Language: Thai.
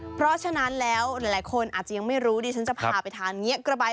เพราะฉะนั้นแล้วหลายคนอาจจะยังไม่รู้ดิฉันจะพาไปทานเงี้ยกระใบ